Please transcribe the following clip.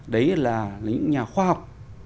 đấy là những nhà khoa học